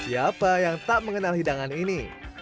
siapa yang tak mengenal hidangan ini